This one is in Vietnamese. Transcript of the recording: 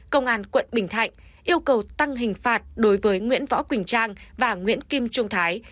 công an quận bình thạnh yêu cầu tăng hình phạt đối với nguyễn võ quỳnh trang và nguyễn kim trung thái